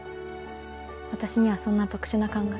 私にはそんな特殊な考え。